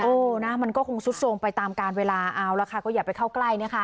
นะมันก็คงซุดโทรมไปตามการเวลาเอาละค่ะก็อย่าไปเข้าใกล้เนี่ยค่ะ